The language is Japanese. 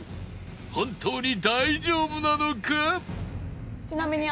本当に大丈夫なのか？